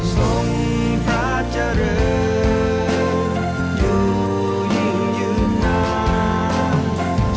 ส่งพระเจ้าเริ่มอยู่ยิ่งยืดนาน